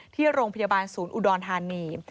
ที่โรงพยาบาลศูนย์อุดรธานี